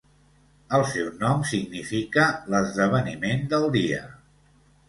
El seu nom significa "l'esdeveniment del dia".